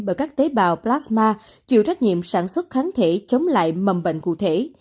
bởi các tế bào plasma chịu trách nhiệm sản xuất kháng thể chống lại mầm bệnh cụ thể